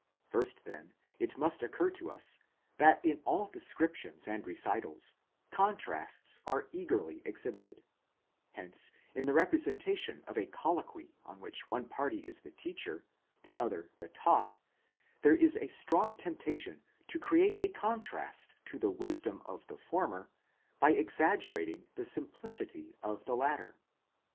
First, then, it must occur to us, that in all descriptions and recitals, contrasts are eagerly exhibited ; hence in the representation of a colloquy in which one party is the teacher, the other the taught, there is a strong temptation to create a contrast to the wisdom of the former by exaggerating the simplicity of the latter.